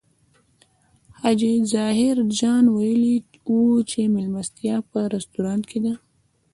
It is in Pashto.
حاجي ظاهر جان ویلي و چې مېلمستیا په رستورانت کې ده.